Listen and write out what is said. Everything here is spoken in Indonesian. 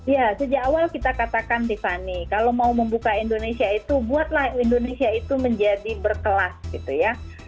ya sejak awal kita katakan tiffany kalau mau membuka indonesia itu buatlah indonesia itu menjadi berkelas gitu ya